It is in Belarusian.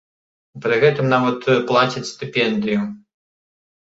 І пры гэтым нават плацяць стыпендыю.